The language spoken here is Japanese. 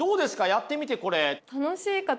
やってみてこれ。